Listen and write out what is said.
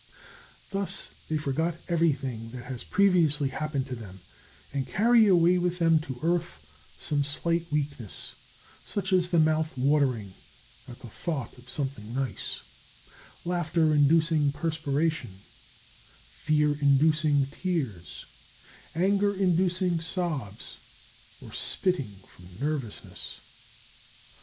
Thus they forgot everything that has previously happened to them, and carry away with them to earth some slight weaknesses such as the mouth watering at the thought (of something nice), laughter inducing perspiration, fear inducing tears, anger inducing sobs, or spitting from nervousness.